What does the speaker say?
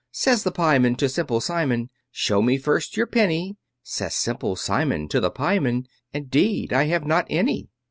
Says the pieman to Simple Simon, "Show me first your penny." Says Simple Simon to the pieman, "Indeed I have not any."